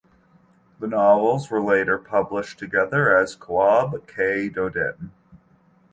The novels were later published together as "Khwab Ke Do Din".